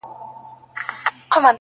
که هر څو نجوني ږغېږي چي لونګ یم,